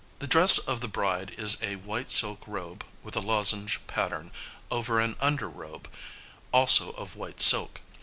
"] The dress of the bride is a white silk robe with a lozenge pattern, over an under robe, also of white silk.